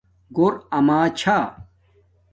گھور آما چھا